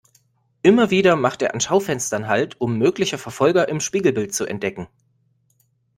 Immer wieder macht er an Schaufenstern halt, um mögliche Verfolger im Spiegelbild zu entdecken.